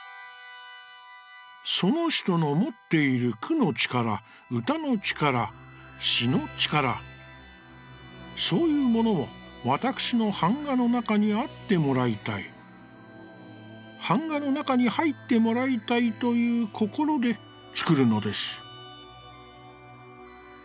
「その人のもっている句の力、歌の力、詩の力、そういうものを、わたくしの板画の中にあってもらいたい、板画の中に入ってもらいたいという心でつくるのです」。